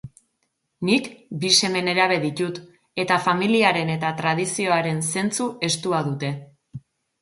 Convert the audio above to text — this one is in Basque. Nik bi seme nerabe ditut eta familiaren eta tradizioaren zentzu estua dute.